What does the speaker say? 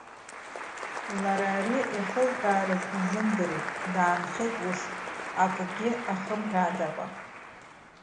Лара ари иахылҳәаарыз лзымдырит, даанхеит ус, акгьы ахымҳәааӡакәа.